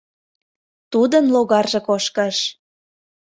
Тудын логарже кошкыш.